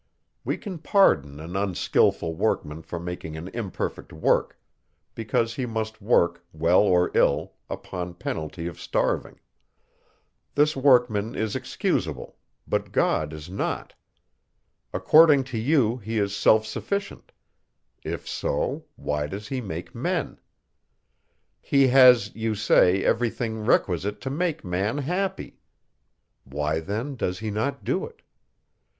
We can pardon an unskilful workman for making an imperfect work; because he must work, well or ill, upon penalty of starving. This workman is excusable, but God is not. According to you, he is self sufficient; if so, why does he make men? He has, you say, every thing requisite to make man happy. Why then does he not do it?